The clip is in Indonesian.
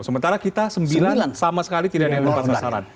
sementara kita sembilan sama sekali tidak ada yang tepat sasaran